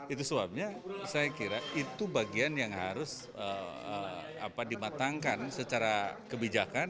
itu sebabnya saya kira itu bagian yang harus dimatangkan secara kebijakan